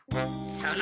それ！